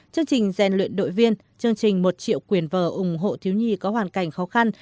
chương trình rèn luyện đội viên chương trình một triệu quyền vở ủng hộ thiếu nhi có hoàn cảnh khó khăn